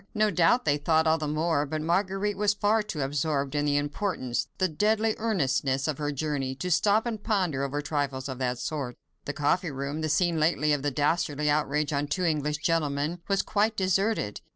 No doubt they thought all the more, but Marguerite was far too absorbed in the importance—the deadly earnestness—of her journey, to stop and ponder over trifles of that sort. The coffee room—the scene lately of the dastardly outrage on two English gentlemen—was quite deserted.